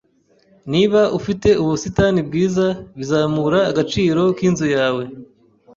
Niba ufite ubusitani bwiza, bizamura agaciro k'inzu yawe.